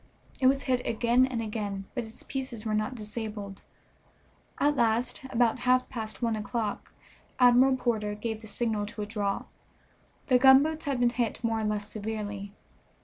It was hit again and again, but its pieces were not disabled. At last, about half past one o'clock, Admiral Porter gave the signal to withdraw. The gunboats had been hit more or less severely.